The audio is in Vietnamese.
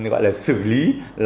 gọi là xử lý